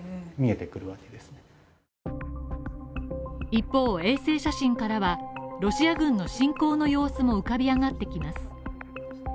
一方、衛星写真からはロシア軍の侵攻の様子も浮かび上がってきます。